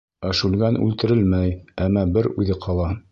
Ә Шүлгән үлтерелмәй, әммә бер үҙе ҡала.